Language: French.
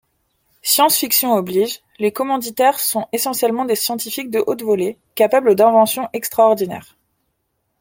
Science-fiction oblige, les commanditaires sont essentiellement des scientifiques de haute volée, capables d'inventions extraordinaires.